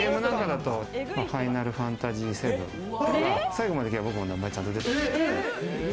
『ファイナルファンタジー７』、最後まで行けば僕の名前ちゃんと出てくる。